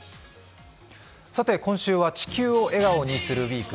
今週は「地球を笑顔にするＷＥＥＫ」